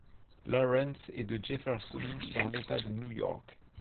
Lawrence et de Jefferson dans l'État de New York.